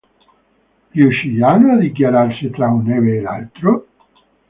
Riusciranno a dichiararsi tra un Ebe e l'altro?